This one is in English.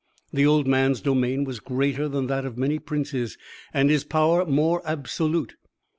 The old man's domain was greater than that of many princes, and his power more absolute.